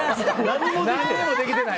何もできてない！